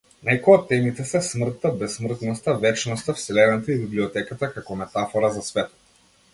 Некои од темите се смртта, бесмртноста, вечноста, вселената и библиотеката како метафора за светот.